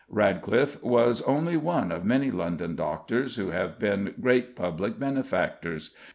Radcliffe was only one of many London doctors who have been great public benefactors.